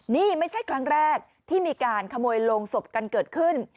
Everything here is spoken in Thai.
นี่ไม่ใช่ครั้งแรกที่มีการขโมยโรงศพกันเกิดขึ้น